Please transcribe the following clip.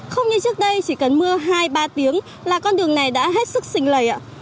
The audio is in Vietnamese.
không như trước đây chỉ cần mưa hai ba tiếng là con đường này đã hết sức sinh lầy ạ